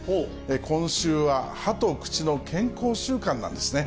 今週は、歯と口の健康週間なんですね。